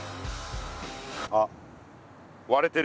あっわれてる。